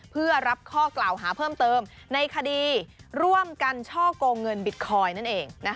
เพื่อรับข้อกล่าวหาเพิ่มเติมในคดีร่วมกันช่อกงเงินบิตคอยน์นั่นเอง